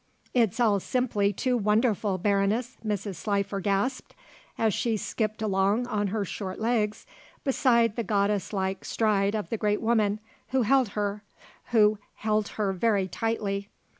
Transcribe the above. "It's all simply too wonderful, Baroness," Mrs. Slifer gasped, as she skipped along on her short legs beside the goddess like stride of the great woman, who held her who held her very tightly.